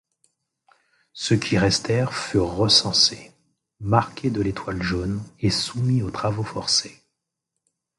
Ceux qui restèrent furent recensés, marqués de l'étoile jaune et soumis aux travaux forcés.